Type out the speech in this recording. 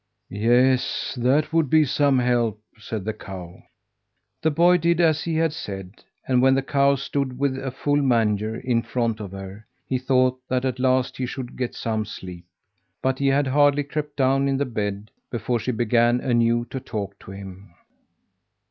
"Yes, that would be some help," said the cow. The boy did as he had said; and when the cow stood with a full manger in front of her, he thought that at last he should get some sleep. But he had hardly crept down in the bed before she began, anew, to talk to him.